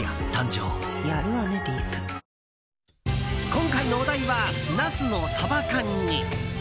今回のお題はナスのサバ缶煮。